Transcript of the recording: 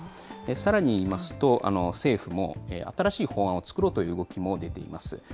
さらに言いますと、政府も新しい法案を作ろうという動きも出ています。